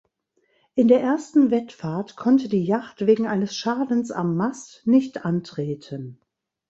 In der ersten Wettfahrt konnte die Yacht wegen eines Schadens am Mast nicht antreten.